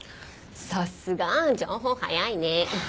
さすが！情報早いね。